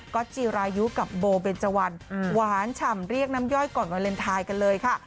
ก็จีรายุกับโบเบนเจวันหวานฉ่ำเรียกน้ำย่อยก่อนวาเลนไทยกันเลยค่ะ